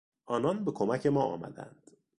آنان به کمک ما آمدند.